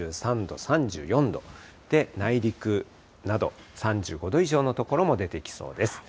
３３度、３４度で、内陸など、３５度以上の所も出てきそうです。